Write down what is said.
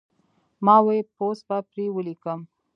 ما وې پوسټ به پرې وليکم